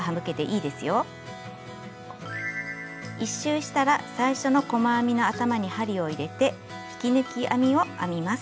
１周したら最初の細編みの頭に針を入れて引き抜き編みを編みます。